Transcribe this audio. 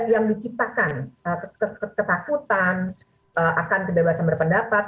yang diciptakan ketakutan akan kebebasan berpendapat